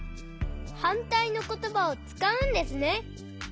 はんたいのことばをつかうんですね。